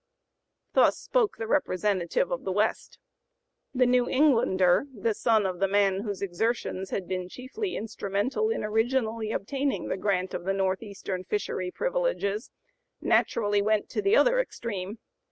Thus spoke the representative of the West. The New Englander the son of the man whose exertions had been chiefly instrumental in originally obtaining the grant of the Northeastern fishery privileges naturally went to the other extreme.